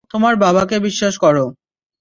তোমার বাবাকে বিশ্বাস করো।